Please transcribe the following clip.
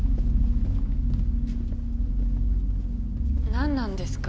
何なんですか？